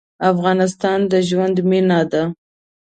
افغانستان د ژوند مېنه ده.